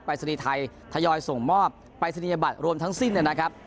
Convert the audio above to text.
รายศนีย์ไทยทยอยส่งมอบปรายศนียบัตรรวมทั้งสิ้นนะครับ